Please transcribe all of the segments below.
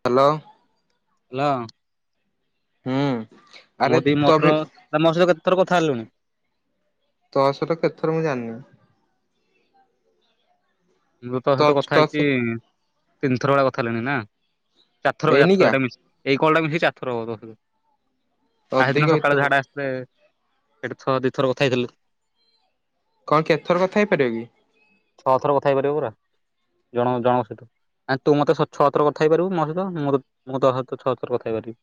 Hello ହଲା ହୁଁ ଆରେ ମୋଦି ତୋ ବି ମଥର ମୋ ସହିତ କେତେ ଥର କଥା ହେିଲୁଣି ତ ଆସଟା କେତଥର ମୁଁ ଜାନ ମୁଁ ତ ତୋ ସହିତ କଥା ହେଇଛି, ତିନିଥର ଭଳିଆ କଥା ହେଲିଣି ନା - ଚାରିଥର ଚାରିଥର ଏଇନିକା ଏଇଟା ମିଶି, ଏଇ କଲ ଟା ମିଶି ଚାରିଥର ହବ ଅଧିକ ଆଜିଦିନ ସକାଳେ ହେଇଥିବ ଝାଡା ଆସିଥିଲେ, ସେଠି ଛ ଦି ଥର କଥା ହେଇଥିଲେ କଣ କେତେଥର କଥା ହେଇପାରିବ କି? ପା ଜଣ ଜଣଙ୍କ ସହିତ? ଆଁ, ତୁ ମତେ ଛଅ ଥର କଥା ହେଇ ପାରିବୁ ମୋ ସହିତ, ମୁଁ ତୋ ସହିତ ଛଅ ଥର କଥା ହେଇ ପାରିବି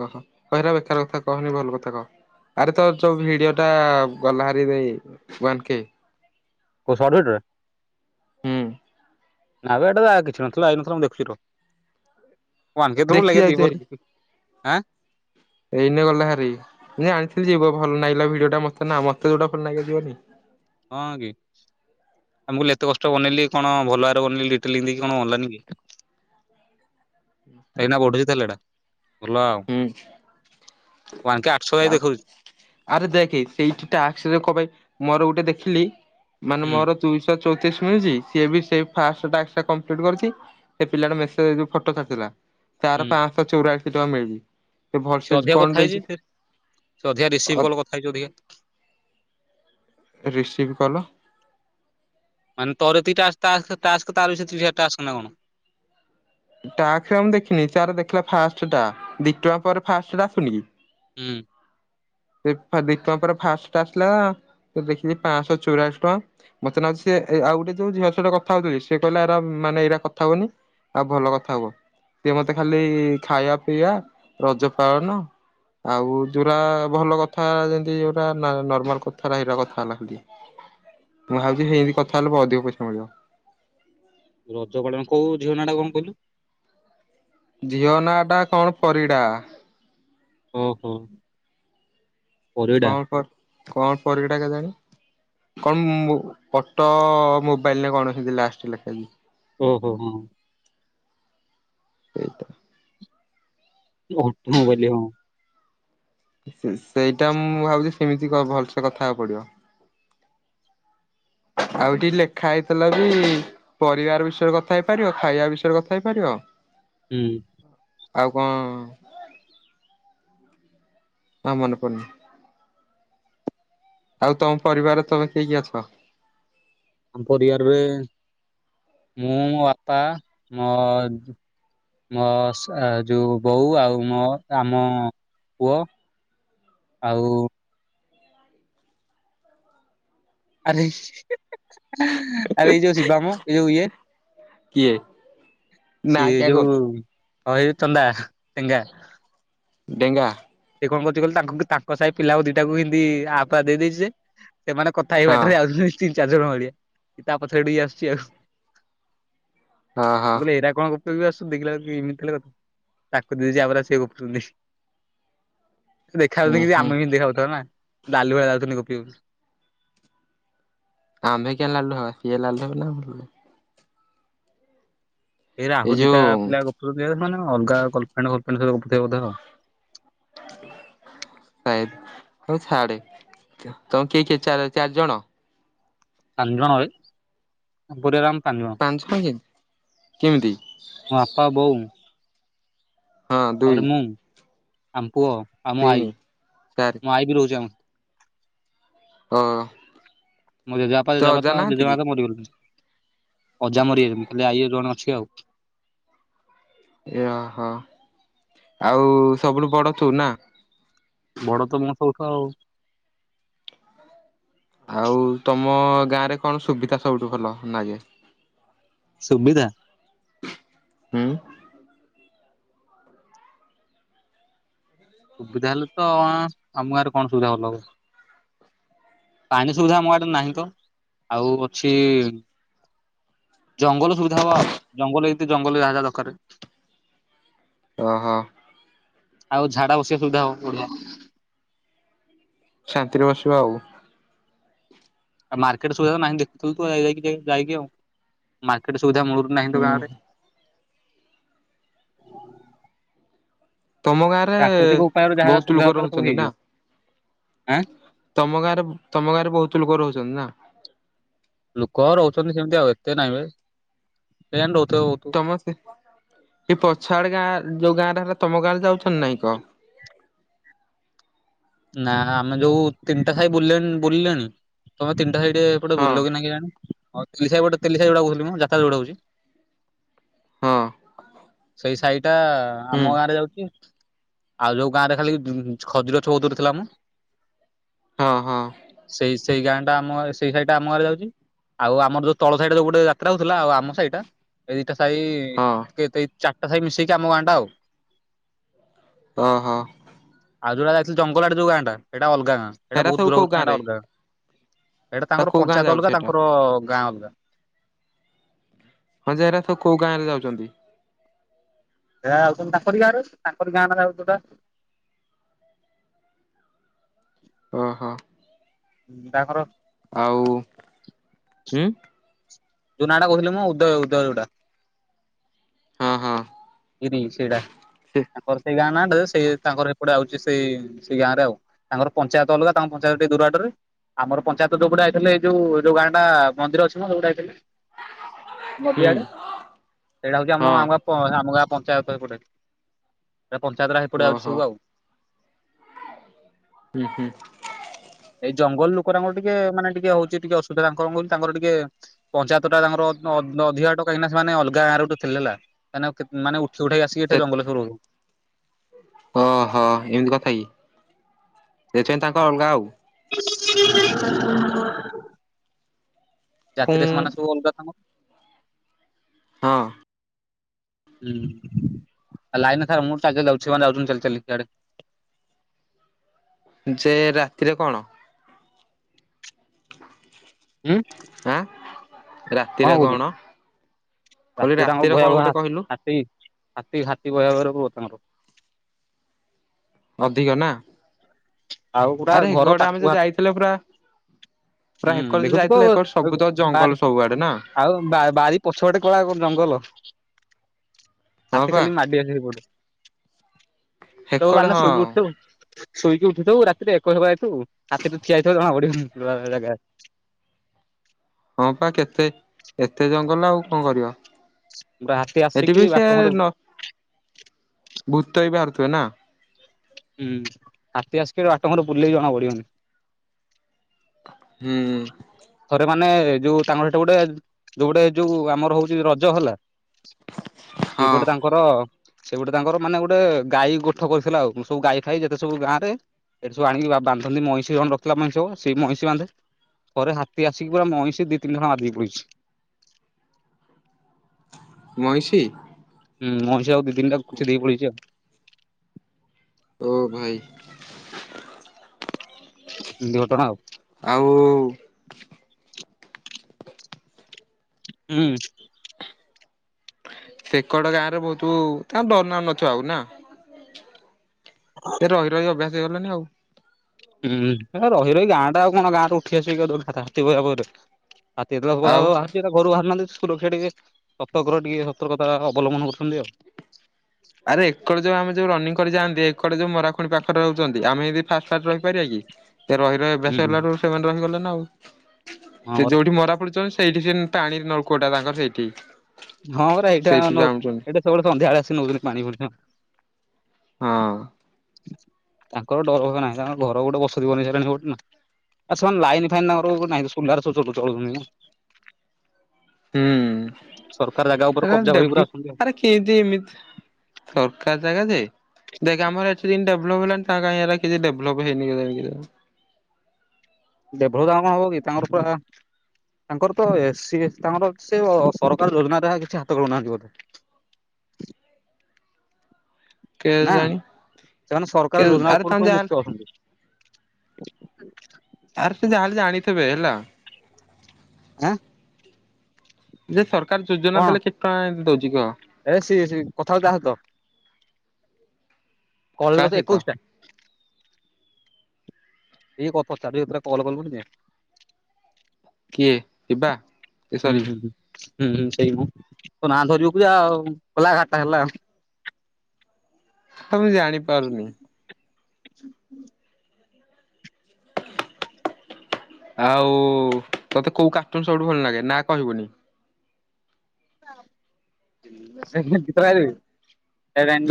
ଓହୋ ଅହରା ବେଖାର କଥା କହନି ଭଲ କଥା କହ ଆରେ ତ ଯୋଉ ଭିଡିଓ ଟା ଗଲା ହେରିରେ ଉଆନ କେ କଉ ସଟ୍ଦି ରେ [unintelligible] ହୁଁ ନାବେ ଏଟା କିଛିନଥିଲା ହେଇନଥିଲା, ମୁଁ ଦେଖୁଚି ର କେତେବେଳୁ ଦେଖି ଲାଗିବ ଯାଉଛି ଦିବ ହେରି ରେ [unintelligible] ଏଇନେ ଗଲା ହେରି, ମୁଁ ଜାଣିଥିଲି ଯିବ ଭଲ ନାଇଁ ହେଲା ଭିଡିଓ ଟା ମତେ ନା, ମତେ ଯଉଟା ଭଲ ଲାଗିବ ଯିବନି ହଁ କି ଆଉ ମୁଁ କହିଲି ଏତେ କଷ୍ଟରେ ବନେଇଲି କଣ ଭଲ ଭାବରେ ବନେଇଲିି ଡିଟେଲ ଇନ୍ଦି କଣ ଗଲାନି କି କାଇ ନା ବଠୁଛି ଲଟା [unintelligible] ହଉ ହୁଁ ଆଉ ଆରେ ଦେଖେ ସେଇଠି ଟାସ୍କ ରେ କନ୍ ପାଇଁ ମୋର ଗୋଟେ ଦେଖିଲି, ମାନେ ହୁଁ। ମୋର ଦୁଇଶ ଚଉତିରିସ ମିଳିଛି ସିଏ ବି ସେ ଫାର୍ଷ୍ଟ ଟାସ୍କ ଟା କଂପ୍ଲିଟ୍ କରିଛି ସେ ପିଲାଟା ମେସେଜ ରେ ଯୋଉ ଫୋଟ ଛା ଡ଼ିଥିଲା ତାର ହୁଁ ପାଞ୍ଚ ଶହ ଚଉରାଅସି ଟଙ୍କା ମିଳିଛି। ସେ ଭଲସେ ଅଧିକ କଣ କଥା ହେଇଛି ଦେଇଛି ସେ, ସେ ଅଧିକ ରିସିଭ କଲ କଥା ହେଇଛି ଅଧିକା [inaudible] ରିସିଭ୍ କଲ ତର ଯେତିକି ଟା ଟାସ୍କ ତାର ବି ସେତିକିଟା ଟାସ୍କ ନା କଣ? ତାରେ ଆଉ ମୁଁ ଦେଖିନି ସୋର ଦେଖିଲା ଫାଷ୍ଟ ଟା ଦି ଟଙ୍କା ପରେ ଫାଷ୍ଟ ଟା ଆସୁନି କି? ଉଁ ସେ ଦି ଟଙ୍କା ପରେ ଫାଷ୍ଟ ଆସିଲା ଦେଖିଲି ପାଞ୍ଚଶହ ଚଉରାଲିସି ଟଙ୍କା। ମତେ ଲାଗୁଚି ସେ ଆଉ ଗୋଟେ ଯୋଉ ଝିଅ ସହ କଥା ହେଉଥିଲି, ସେ କହିଲା ଏରା ମାନେ ଏରା କଥା ହୁଅନି ଆଉ ଭଲ କଥା ହୁଅ ସିଏ ମତେ ଖାଲି ଖାଇବା ପିଇବା, ରଜ ପାଳନ ଆଉ ଯୋଉରା ଭଲ କଥା ଯେମତି, ଯୋଉଟା ନର୍ମାଲ କଥା ହେରା କଥା ହେଲା ହେମିତି ମୁଁ ଭାବୁଛି ହେଏଦି କଥା ହେଲେ ଅଧିକ ପଇସା ମିଳିବ ରଜ ପାଳନ କୋଉ ଝିଅ ନା ଟା କଣ କହିଲୁ? ଝିଅ ନାଁ ଟା କଣ ପରିଡ଼ା। ଓହୋ, କଣ ପରିଡ଼ା ପ କଣ ପରିଡା କେଜାଣି? କଣ ପଟୋ ମୋବାଇଲ ନା କଣ ଲାଷ୍ଟ ଲେଖାହେ ଇଛି। ଓହୋ ହଁ। ଏଇ ତ ଘଟ୍ ମୁଁ କହିଲି ହଁ। [unintelligible] ସେଇଟା ମୁଁ ଭାବୁଛି ସେମିତି କହ, ଭଲସେ କଥା ହବାକୁ ପଡିବ। [inaudible] ଆଉ ଏଇଟି ଲେଖା ହେଇଥିଲା ବି ପରିବାର ବିଷୟରେ କଥା ହେଇପାରିବ, ଖାଇବା ବିଷୟରେ କଥା ହେଇପାରିବ। ହୁଁ ଆଉ କଣ? ଆଉ ମନେପଡୁନି ଆଉ ତମ ପରିବାରରେ ତମେ କିଏ କିଏ ଅଛ? ଆମ ପରିବାରରେ ମୁଁ, ମୋ ବାପା, ମୋ ମୋ ଯୋଉ ବୋଉ ଆଉ ମୋ ଆମ ପୁଅ ଆଉ ଆରେ ଆରେ ଏଇ ଯଉ ସିବା ମୋ ଏ ଯୋଉଇଏ କିଏ ନା ସିଏ କ୍ୟା କହୁ ଯୋଉ ହଁ ଚନ୍ଦା ଟେଙ୍ଗା ଡେଙ୍ଗା କଣକହୁଚି କହିଲୁ ତାଙ୍କ ସାହି ପିଲା ଦିଟାକୁ ହେନ୍ଦୀ ଆପା ଦେଇଦେଇଛି ଯେ ସେମାନେ କଥା ହେଇ ହଁ ବାଟରେ ଆଉଛନ୍ତି ତିନି ଚାରି ଜଣ ଭଳିଆ ତା ପଛରେ ଗୋଟିଏ ଇଏ ଆସୁଛି ଆଉ ମୁଁ ହଁ ହଁ କହିଲି ଏଇରା କଣ [inaudible] ଦେଖାଯାଉଛି ହୁଁ କିରେ ହୁଁ ଆମେ ବି ସେମିତି ଦେଖାଯାଉଥିବା ନା। ଲାଳୁଆ ଯାଉଛନ୍ତି ଗପିବାକୁ। ଆମେ କିଆ ଲାଲୁ ହବା ସେ ଲାଲୁ ହେବେନା। ଏରା ଏଇ ଆହୁରି ଦିଇଟା ଯୋଉ ପିଲା ଗପୁଛନ୍ତି। ଏମାନେ ଅଲଗା ଗଲଫ୍ରେଣ୍ଡ ପଲଫ୍ରେଣ୍ଡ ସବୁ ଗପୁଥିବେ ବୋଧେ। [inaudible] ହଉ ଛାଡେ ତମ କିଏ କିଏ ଚାରି ଜଣ। [unintelligible] [unintelligible] ହଁ ବାପା ବୋଉ। ହଁ ଦୁଇ ତାପରେ ମୁଁ ଆମ ପୁଅ ଆଉ ମୋ ଆଈ ତିନି ଚାରି ମୋ ଆଈ ବି ରହୁଛି ଆମ। ହଁ। ମୋ ଜେଜେବାପା ଜେଜେମା ତ ମରିଗଲେନି। ଅଜା ମରିଯାଇଛନ୍ତି ଖାଲି ଆଇ ଜଣେ ଅଛି ଆଉ। ଆଉ ସବୁଠୁ ବଡ ତୁ ନା। ବଡ଼ ତ ମୁ ସବୁଠୁ ଆଉ। ଆଉ ତମ ଗାଁ ରେ କଣ ସୁବିଧା ସବୁଠୁ ଭଲ ଲାଗେ। ସୁବିଧା। ହୁଁ। ସୁବିଧା ହେଲେ ତ ଆମ ଗାଁରେ କଣ ସୁବିଧା ଭଲ ହବ। ପାଣି ସୁବିଧା ଆମ ଆଡେ ନାହିଁ ତ ଆଉ ଅଛି। ଜଙ୍ଗଲ ସୁବିଧା ହବ ଆଉ ଜଙ୍ଗଲ ଏମିତି ଜଙ୍ଗଲରେ ଯାହା ଯାହା ଦରକକାର୍। ଓ ହୋ। ଆଉ ଝାଡା ବସିବା ସୁବିଧା ହବ ବଡ଼ିଆ। ଶାନ୍ତିରେ ବସିବ ଆଉ। ଆଉ ମାର୍କେଟ ସୁବଧା ନାହିଁ ଦେଖୁ ଥିଲୁ ତୁ ଯାଇକି ଆଉ। ମାର୍କେଟ ସୁବିଧା ମୂଳରୁ ନାହିଁ ହୁଁ। ତ ଗାଁ ଆଡେ। [inaudible] ତମ ଗାଁ ରେ ଯାହା ଯାହା ବହୁତ ସୁବିଧା ଲୋକ ଦରକାର ସବୁ ରହୁଛନ୍ତି ନା। ହେଇଯିବ ଆଁ ତମ ଗାଁରେ ତମ ଗାଁରେ ବହୁତ ଲୋକ ରହୁଛନ୍ତି ନା। ଲୋକ ରହୁଛନ୍ତି ସେମିତି ଆଉ ଏତେ ନାହିଁ ବେ ସେମିତି ରହୁଛନ୍ତି। ସମସ୍ତେ ଏଇ ପଛ ଆଡେ ଗାଁ ଯୋଉ ଗାଁ। ଏଟା ତମ ଗାଁରେ ଯାଉଛନ୍ତି ନାଇଁ କହ। ନା ଆମେ ଯୋଉ ତିନିଟା ସାଇ ବୁଲିଲେଣି ତମେ ତିନିଟା ସାଇ। ସେ ଏପଟେ ହଁ ବୁଲିଲ କି ନାହିଁ କେଜାଣି। ସେ ତେଲିସାହି ପଟେ ତେଲିସାହି ପଟେ ବିଲୁଲୁମ ଯାତ୍ରା ଯୋଉପଟେ ହୋଉଛି। ହଁ। ସେଇ ସାହିଟା ହୁଁ ଆମ ଗାଁ ରେ ଯାଉଛି ଆଉ ଯୋଉ ଗାଁ ରେ ଖାଲି ଖଜୁର। ଚଉଧୁରୀ ଥିଲା ମ। ହଁ ହଁ। ସେଇ ସେଇ ଗାଁଟା ଆମ ସେଇ ସାଇଟା ଆମ ଗାଁ ରେ ଯାଉଛି। ଆଉ ଆମର ଯୋଉ ତଳ ସାଇଡା ଯୋଉ ଗୋଟେ ଯାତ୍ରା ହଉଥିଲା ଆଉ ଆମ ସାହି ଟା। ଏଇ ଦିଟା ସାହି ହଁ ଚାରିଟା ସାହି ମିଶେଇକି ଆମ ଗାଁ ଟା ଆଉ। ହ ହୋ। ଆଉ ଯଉଟା ଯାଇଥିଲୁ ଜଙ୍ଗଲ ଆଡେ ଯଉ ଗାଁ ଟା ସେଟା ଅଲଗା ଗାଁ ସେଟା ହେରା ବହୁତ୍ ସବୁ ଦୂର କୋଉ ହୋଇଛି ନା ଗାଁ ସେଟା ରେ? ଅଲଗା ଗାଁ। ଏଇଟା ତା ତାଙ୍କର କୋଉ ଗାଁ ପଞ୍ଚାୟତ ଯାଉଛି ଅଲଗା ସେଟା ତାଙ୍କର ଗାଁ ଅଲଗା। ହଁ ଯେ ଏରା କୋଉ ଗାଁ ରେ ଯାଉଛନ୍ତି। ସେ ରା ଯାଉଛନ୍ତି ତାଙ୍କରି ଗାଁ ରେ ତାଙ୍କରି ଗାଁ ନ ଯାଉଛି ପା। [inaudible] ଓ ହୋ। ହଁ ତାଙ୍କର। ଆଉ ହ ଯୋନାଟା କହୁଥିଲ ମୁଁ ଉଦୟ ଉଦୟ ଯୋଉଟା ହଁ ହଁ। ସେଇଟା ସେ ତାଙ୍କର ସେଇ ଗାଁ ନା ସେ ତାଙ୍କର ଏପଟେ ଆଉ ସେ ସେଇ ସେଇ ଗାଁରେ ଆଉ ତାଙ୍କର ପଞ୍ଚାୟତ ଅଲଗା ତାଙ୍କ ପଞ୍ଚାୟତ ଟିକେ ଦୁରବାଟରେ। ଆମର ପଞ୍ଚାୟତ ଯେଉୋପଟେ ଆଇଥିଲେ ଏଇ ଯଉ ଯଉ ଗାଁଟା ମନ୍ଦିର ଅଛି ନା ସେଉପଟେ ଯାଇଥିଲେ। ହୁଁ ନଦିଆଡରେ ସେଇଟା ହଉଛି ହଁ ଆମ ଆମ ଆମା ପଞ୍ଚାୟତ ହୋଇ ପଡ଼େ ପଞ୍ଚାୟତରେ ହେପଡ଼ା ଯାଉଛି ଓହୋ ସବୁ ଆଉ। ହୁଁ ହୁଁ ଏ ଜଙ୍ଗଲ ଲୋକ ତାଙ୍କ ଟିକେ ମାନେ ଟିକେ ହଉଛି, ଟିକେ ଅସବିଧାଙ୍କର ତାଙ୍କର ଟିକେ ପଞ୍ଚାୟ ଟା ତାଙ୍କର ଅଧିକ ହାଟ କାଁକିନା ସେମାନେ ଅଲଗା ଗାଁରେ ଥିଲେ ହେଲା ମେ ମାନେ ଉ ସେଉଠାଇ ଆସିକି ସେ ଏଠା ଜଙ୍ଗଲ ଶରୁଉ- ଓହୋ ଏମିତି କଥା କିଇ ଦେଛନ୍ତି ତାଙ୍କ ଅଲଗା ଆଉ। ପୁଁ ଯାତିରେ ସେମାନେ ସବୁ ଅଲଗା କଙ୍କ ହଁ। ହୁଁ। ଲାଇନ ନଥାଉ ମୁଁ ଚାଲି ଚାଲି ଯାଉଛି ଛୁଆମାନେ ଯାଉଛନ୍ତି ଚାଲି ଚାଲି ସିଆଡେ ଯେ ରାତିରେ କଣ? ହୁଁ ଆଁ ରାତିରେ କଣ? କହିଲି ରାତିରେ କଣ ତାଙ୍କର ଗୋଟେ କହିଲୁ [unintelligible] ହାତୀ ହାତୀ ହାତୀ ବହିବାବରେ ପୁହ ତାଙ୍କର ଅଧିକ ନା ଆଉ ପୁରା ଆରେ ଘର ହେକଡେ ଆମେ ପାଖ ଯୋଉ ହା ଯାଇଥିଲେ ପୁରା [inaudible] ପୁରା ହୁଁ ହେକଡେ ଯୋଉ ଦେଖୁଛୁ ଯାଇଥିଲେ ହେକଡେ ସବୁ ତ ଜଙ୍ଗଲ [unintelligible] ସବୁଆଡେ ନା ଆଉ ବାରି ପଛପଟେ କଳା ଜଙ୍ଗଲ ହଁ ହାତୀ ପା ଖାଲି ମାଡି ଆସିବେ ସେଇପଟୁ ତୋ ହେକଡେ [unintelligible] ହଁ ଶୋଇକି ଉଠିବୁ। ଶୋଇକି ଉ ରାତିରେ ଏକ ହେବା ହେତୁ ରାତି ତୁ ଠିଆ ହେଇଥମା ବଢି ଜାଗା ହଁ ପା କେତେ ଏତେ ଜଙ୍ଗଲ ଆଉ କଣ କର? ହାତୀ ଏଠି ଆସିକି ବି ସେ ବାଟ ଘର ହୁଁ ନ ଭୂତ ବି ବାହାରୁଥିବେ ନା? ହୁଁ ହାତୀ ଆସିକି ଆଠ ଘର ବୁଲେ ଜଣା ପଡିବନି। ହୁଁ। ଥରେ ମାନେ ଏ ଯୋଉ ତାଙ୍କର ସେଠ ଗୋଟେ, ଯୋଉ ଗୋଟେ ଯୋଉ ଆମର ହଉଛି ରଜ ହେଲା ହଁ ସେପଟେ ତାଙ୍କର ସେ ଗୋଟେ ତାଙ୍କର ମାନେ ଗୋଟେ ଗାଈ ଗୋଠ କରିଥିଲା ଆଉ ସବୁ ଗାଈ ଖାଇ ଯେତେ ସବୁ ଗାଁରେ ଏଠି ସବୁ ଆଣିକି ବାନ୍ଧନ୍ତି ମଇଁଷି କଣ ରଖି ମଇଁଷବ ସେଇ ମଇଁଷି ବାନ୍ଧେ ପରେରେ ତିହାସିକ ପ ମଇଁଶି ଦି ତିନି ଘରା ବାଦେଇ ପଛି। ମଇଁଷି। ହୁଁ ମଇଂଷି ଆଉ ଦି ଦିନଟା କିଛି ଦେଇ ପଡ଼ିଛି ଆଉ। ଓ ଭାଇ ଏମିତି ଘଟଣା ଆଉ। ଆଉ। ହୁଁ। ସେକଡ ଗାଁ ରେ ବହୁତ ତା ଦଡରନା ନଥ ଆଉ ନା। ଏ ରହି ରହି ଅଭ୍ୟାସ ହେଇଗଲଣିି ଆଉ। ହୁଁ ରହି ରହି ଗାଁ ଟା ଆଉ କଣ ଗାଁ ଟରେ ଉଠି ଆସିବି ହାତୀହିବା ପରେ। ଆ ଏ ଆଉ ବାହାର ଘରୁ ବାହାରହାନ୍ତି। ସ୍କୁ ରକ୍ଷା ଟିକେ ସତର୍କ ର ଟିକେ ସତର୍କତା ଅବଲମ୍ବନ କରୁଛନ୍ତି ଆଉ। ଏେ ଯୋଉ ମରାଖୁଣି ପାଖରେ ରହୁଛନ୍ତି ଆମେ ଏ ଫାଷ୍ଟ୍ ଫାଷ୍ଟ୍ ରହିପାରିବା କି? ଏ ରହ ରଭ୍ୟାସ ହୁଁ ହେଲାୁ ସେମାନେ ରହିଗଲେ ନା ଆଉ ହଁ ସେ ପରା ଯୋଉଠି ମରା ପଡିୁଛନ୍ତି। ସେଇଠି ସେ ପାଣି ନଳକୂଟା ତାଙ୍କର ସେଇଠି ହଁ ପରା ଏଇଟା ସେଇଠି ନ ଜାଣୁଛନ୍ତି। ଏଇଟା ସବୁବେଳେ ସନ୍ଧ୍ୟାବେଳେ ଆସି ନଉଛନ୍ତି ପାଣି ଫଣି ହଁ। ତାଙ୍କର ଡର ହବ ନାହିଁ ତାଙ୍କର ଘର ଗୋଟେ ବସତି ବନିସାରାଣି ପଟେ ନା ଆ ସେମାନେ ଲାଇନ ଫାଇନ୍ଙ୍କର ନାଇଁଲୁ ଚଳୁନି ହୁଁ। କବ୍ଜା କରି ପୁରା ଡବଲୁ ଅଛନ୍ତି ଆଉ। କେମତି ଏମିତି ଦରକାର ଦେଖ ଆମର ଡେଲପ ହେଲାଣି ତା କଁ କିଛି ଡେପ ହେଇନି। ଦେଭ୍ର ଦ ହବ କି ତାଙ୍କର ପୁରା। ତାଙ୍କର ତ ସିଏ ତାଙ୍କର ସେ ସରକାର ଯୋଜନାରେ କିଛି ହାତ ଦୋଉନାହାନ୍ତି ବୋଧେ। [inaudible] କେ ନା ଜାଣି ସେମାନେ ସରକାର କେ ଯୋଜନା ଆର ଉପରୁ ତାମ ସବୁ ଯା ଆର୍ ମୁକ୍ତ ସେ ଅଛନ୍ତି ଯାହାେଲେ ଜାଣିଥିବେ ହେଲା। ଆଁ ଯେ ସରକାର ଯୋଜନା କଣ ଦେଲେ କେତେ ଟଙ୍କା ଏ ଦଉଛି କହ। ଏ ସିଏ କଥାବତା ଆସ ତ କାହା କଲର ତ ସହିତ ଏକୋଇଶ ଟା ଏଇ କଚା କଲ କ କିଏ ଯିବା କି ହୁଁ ସରି। ହୁଁ ହୁଁ ହୁଁ ହୁଁ ସେଇ ମୁଁ ତ ନା ଧରିବାକୁ ଯ ଆଉ ଖୋଲାଘାଟା ହେଲା। ତ ମୁ ଜାଣି ପାରୁନି। [inaudible] ଆଉ ତତେ କୋଉ କାର୍ଟୁନ ସବୁଠୁ ଭଲ ଲାଗେ ନା କହିବୁନି। [inaudible] ଟା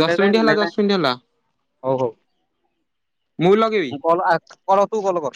ଦଶ ମିନିଟ୍ ହେଲା ଦେଡେଙ୍ଗ ଦଶ ମିନିଟ୍ ହେଲା ହୋଉ ହୋଉ। ମୁଁ କଲ କ ତୁ କଲ କର